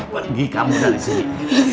pergi kamu dari sini